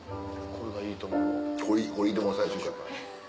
これ『いいとも！』の最終回。